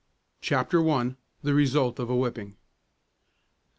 CHAPTER I. THE RESULT OF A WHIPPING.